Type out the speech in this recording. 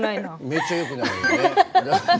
めっちゃよくないよね。